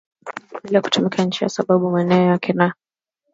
vivile kutumiya inchi kwa sababu mama naye eko na